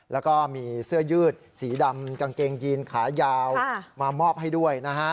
แล้วก็มีเสื้อยืดสีดำกางเกงยีนขายาวมามอบให้ด้วยนะฮะ